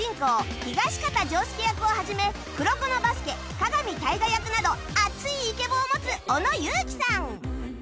東方仗助役を始め『黒子のバスケ』火神大我役などアツいイケボを持つ小野友樹さん